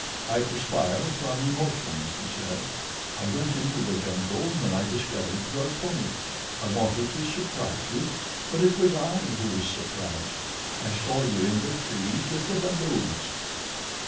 "I perspire from emotion," he said. "I went into the jungle when I discovered your pony. I wanted to surprise you; but it was I who was surprised. I saw you in the trees with the baboons."